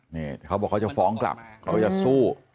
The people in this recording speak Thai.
นี่เขาบอกเขาจะฟ้องกลับเขาจะสู้